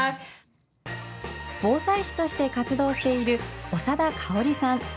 防災士として活動している長田香さん。